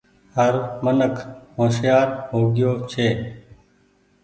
هر منک هوشيآر هو گيو ڇي۔